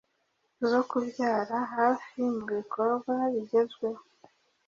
zo kubyara hafimubikorwa bigezweho